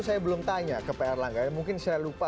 saya belum tanya ke pr langga mungkin saya lupa